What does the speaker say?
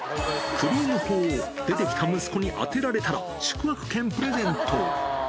クリーム砲を出てきた息子に当てられたら、宿泊券プレゼント。